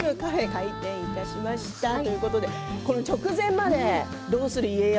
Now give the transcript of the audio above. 開店いたしましたということで直前まで「どうする家康」